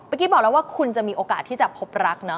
เมื่อกี้บอกแล้วว่าคุณจะมีโอกาสที่จะพบรัก